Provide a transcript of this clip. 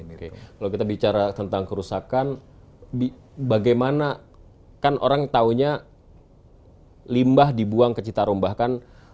kalau kita bicara tentang kerusakan bagaimana kan orang tahunya limbah dibuang ke citarum bahkan